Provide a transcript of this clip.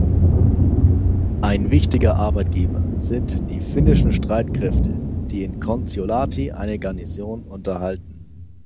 Ein wichtiger Arbeitgeber sind die finnischen Streitkräfte, die in Kontiolahti eine Garnison unterhalten.